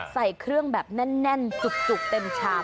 ใส่เครื่องแบบแน่นจุกเต็มชาม